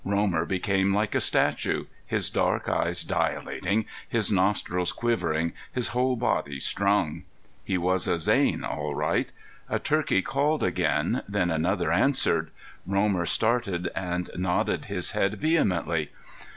Romer became like a statue, his dark eyes dilating, his nostrils quivering, his whole body strung. He was a Zane all right. A turkey called again; then another answered. Romer started, and nodded his head vehemently.